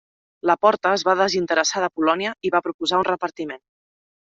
La Porta es va desinteressar de Polònia i va proposar un repartiment.